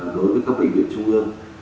đối với các bệnh viện trung ương